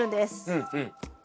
うんうん。